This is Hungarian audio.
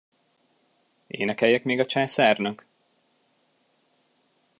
Énekeljek még a császárnak?